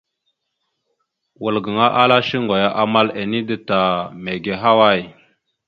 Wal gaŋa ala shuŋgo ya amal ene da ta, mege ahaway?